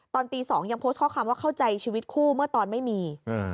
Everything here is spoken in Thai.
ตอนตี๒ยังโพสต์ข้อความว่าเข้าใจชีวิตคู่เมื่อตอนไม่มี